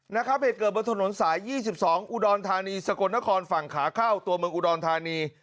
นะครับเหตุเกิดบนถนนสาย๒๒อุดรธานีสกลนครฝั่งขาเข้าตัวเมืองอุดรธานี